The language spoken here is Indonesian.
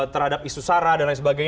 terhadap isu sara dan lain sebagainya